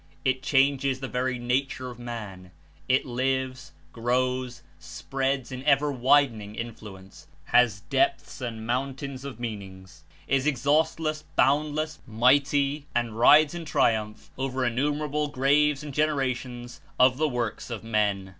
It changes the very nature of man; It lives, grows, spreads In ever widening Influence, has ^^^^'"^^ depths and mountams or meanmgs, is exhaustless, boundless, mighty, and rides In triumph over innumerable graves and generations of the works of men.